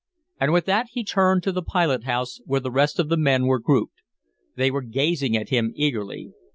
And with that he turned to the pilot house, where the rest of the men were grouped. They were gazing at him eagerly.